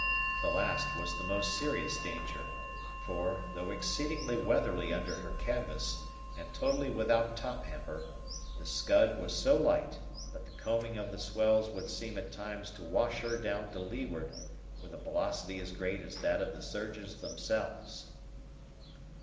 The last was the most serious danger; for, though exceedingly weatherly under her canvas, and totally without top hamper, the Scud was so light, that the combing of the swells would seem at times to wash her down to leeward with a velocity as great as that of the surges themselves.